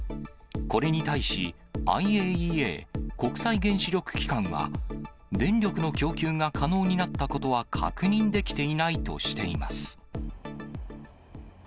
これに対し、ＩＡＥＡ・国際原子力機関は、電力の供給が可能になったことは確認できていないとしています。